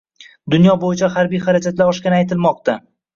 Dunyo bo‘yicha harbiy xarajatlar oshgani aytilmoqda